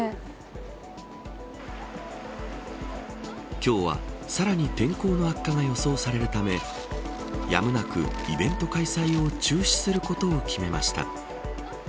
今日は、さらに天候の悪化が予想されるためやむなくイベント開催を中止することを決めました。